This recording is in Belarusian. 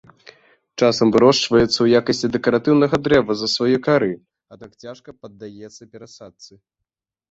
Часам вырошчваецца ў якасці дэкаратыўнага дрэва з-за сваёй кары, аднак цяжка паддаецца перасадцы.